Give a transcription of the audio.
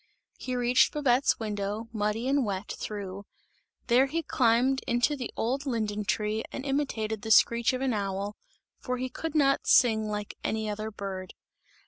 He reached Babette's window, muddy and wet through, there he climbed into the old linden tree and imitated the screech of an owl, for he could not sing like any other bird.